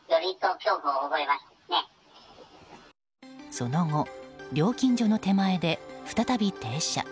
その後、料金所の手前で再び停車。